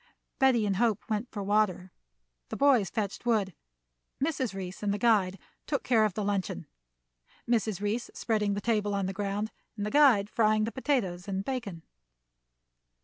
Betty and Hope went for water. The boys fetched wood. Mrs. Reece and the guide took care of the luncheon, Mrs. Reece spreading the table on the ground, and the guide frying the potatoes and bacon.